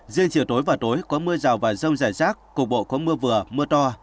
riêng chiều tối và tối có mưa rào và rông rải rác cục bộ có mưa vừa mưa to